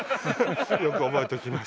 よく覚えておきます。